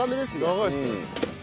長いですね。